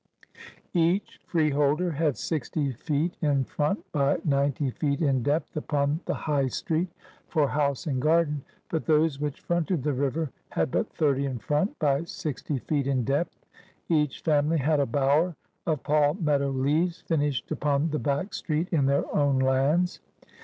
Each Freeholder had 60 Feet in Front by 90 Feet in depth upon the high Street for House and Garden; but those which fronted the Biver had but 80 in Front, by 60 Feet in depth. Each Family had a Bower of Palmetto Leaves finished upon the back Street in their own Lands.